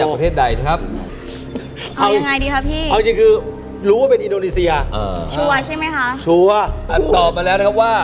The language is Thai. ประเทศตีมอลเลสเต้มาครับ